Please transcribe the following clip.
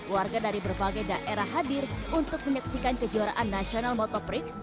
warga dari berbagai daerah hadir untuk menyaksikan kejuaraan nasional motor prix